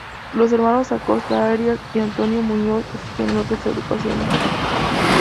Los hermanos Acosta Arias y Antonio Muñoz siguen en otras agrupaciones.